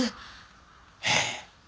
えっ？